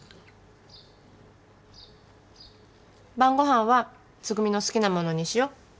晩ご飯はつぐみの好きな物にしよう。